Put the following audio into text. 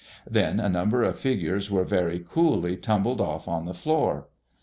Then a number of figures were very coolly tumbled off on the floor.